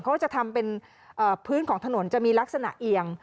เขาก็จะทำเป็นพื้นของถนนจะมีลักษณะเอียง